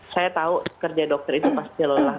saya tahu kerja dokter itu pasti lelah